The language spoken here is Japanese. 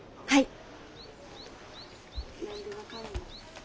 はい。